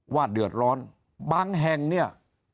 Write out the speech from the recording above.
ว่าเดือดร้อนบางแห่งเนี่ย